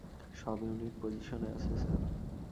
সব ইউনিট পজিশনে আছে, স্যার।